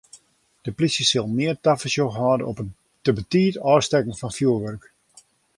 De plysje sil mear tafersjoch hâlde op it te betiid ôfstekken fan fjoerwurk.